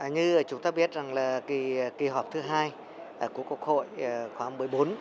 như chúng ta biết rằng là kỳ họp thứ hai của quốc hội khóa một mươi bốn